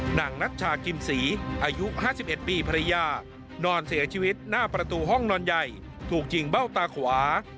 หนังนัชชากิมศรีอายุ๕๑ปีภรรยานอนเสียชีวิตหน้าประตูห้องนอนใหญ่ถูกยิงเบ้าตาขวา